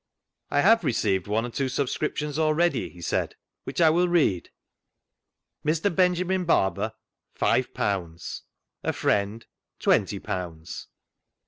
" I have received one or two subscriptions already," he said, " which I will read :—" Mr. Benjamin Barber, five pounds. " A Friend, twenty pounds."